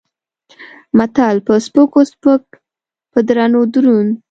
متل: په سپکو سپک په درونو دروند.